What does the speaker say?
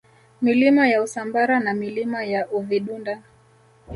Milima ya Usambara na Milima ya Uvidunda